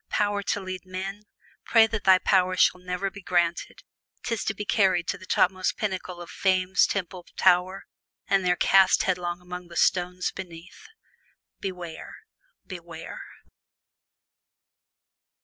Power to lead men! Pray that thy prayer shall ne'er be granted 't is to be carried to the topmost pinnacle of Fame's temple tower, and there cast headlong upon the stones beneath. Beware! beware!!